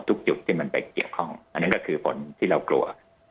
จุดที่มันไปเกี่ยวข้องอันนั้นก็คือผลที่เรากลัว